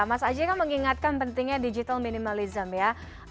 mas aji kan mengingatkan pentingnya digital minimalism ya